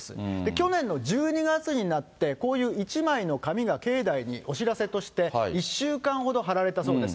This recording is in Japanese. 去年の１２月になって、こういう一枚の紙が境内にお知らせとして、１週間ほど貼られたそうです。